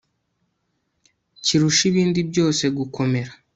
kirusha ibindi byose gukomera